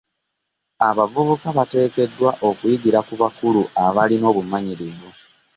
Abavubuka bateekeddwa okuyigira ku bakulu abalina obumanyirivu .